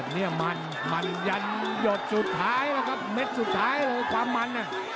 โดดสุดท้ายแล้วครับเม็ดสุดท้ายแล้วความมันน่ะ